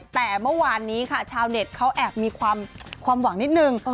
แต่เมื่อวานนี้ค่ะชาวเน็ตเขาแอบมีความหวังนิดนึง